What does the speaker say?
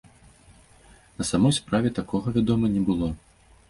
На самой справе, такога, вядома, не было.